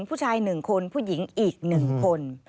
ผู้ชายหนึ่งคนผู้หญิงอีกหนึ่งคน